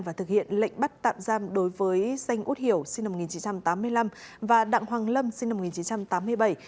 và thực hiện lệnh bắt tạm giam đối với danh út hiểu sinh năm một nghìn chín trăm tám mươi năm và đặng hoàng lâm sinh năm một nghìn chín trăm tám mươi bảy